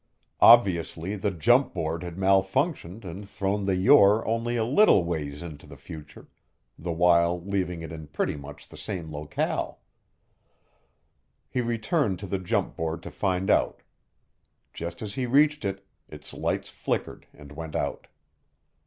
Obviously, the jump board had malfunctioned and thrown the Yore only a little ways into the future, the while leaving it in pretty much the same locale. He returned to the jump board to find out. Just as he reached it, its lights flickered and went out.